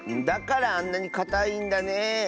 だからあんなにかたいんだねえ。